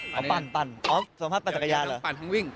ปั่นสมภาพปั่นจักรยานหรือโอเคได้เลยปั่นทั้งวิ่ง